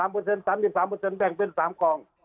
๓๓เปอร์เซ็นต์๓๓เปอร์เซ็นต์แบ่งเป็น๓กอง